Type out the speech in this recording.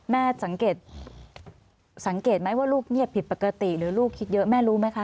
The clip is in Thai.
แม่สังเกตสังเกตไหมว่าลูกเงียบผิดปกติหรือลูกคิดเยอะแม่รู้ไหมคะ